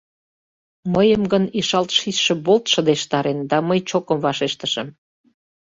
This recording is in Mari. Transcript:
Мыйым гын ишалт шичше болт шыдештарен, да мый чокым вашештышым: